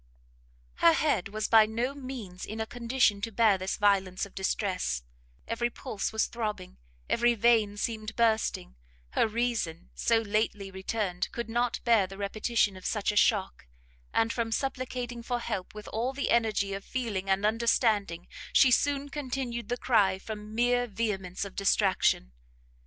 Her head was by no means in a condition to bear this violence of distress; every pulse was throbbing, every vein seemed bursting, her reason, so lately returned, could not bear the repetition of such a shock, and from supplicating for help with all the energy of feeling and understanding, she soon continued the cry from mere vehemence of distraction.